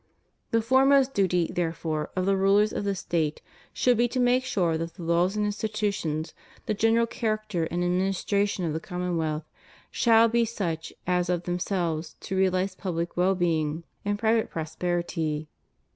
The foremost duty, therefore, of the rulers of the State should be to make sure that the laws and institutions, the general character and administration of the commonwealth, shall be such as of themselves to realize public well being and private pros 228 CONDITION OF THE WORKING CLASSES. perity.